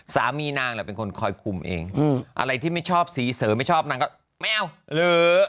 สามีนางแหละเป็นคนคอยคุมเองอะไรที่ไม่ชอบสีเสริมไม่ชอบนางก็ไม่เอาหรือ